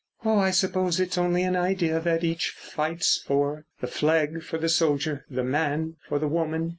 Oh, I suppose it's only an idea that each fights for—the flag for the soldier, the man for the woman.